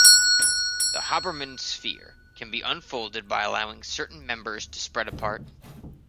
The Hoberman sphere can be unfolded by allowing certain members to spread apart.